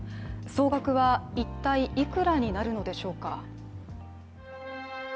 総額は一体いくらになるのでしょうか？